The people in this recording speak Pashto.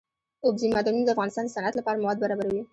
اوبزین معدنونه د افغانستان د صنعت لپاره مواد برابروي.